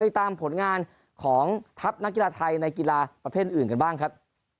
ติดตามผลงานของทัพนักกีฬาไทยในกีฬาประเภทอื่นกันบ้างครับ